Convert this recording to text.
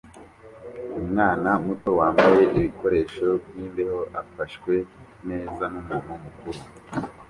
Umwana muto wambaye ibikoresho byimbeho afashwe neza numuntu mukuru